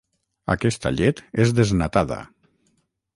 Aquesta llet és desnatada.